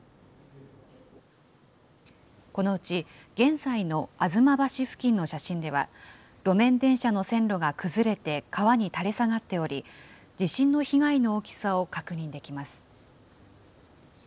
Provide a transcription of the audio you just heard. このうち、現在の吾妻橋付近の写真では、路面電車の線路が崩れて川に垂れ下がっており、地震の被害の大きさを確認できます。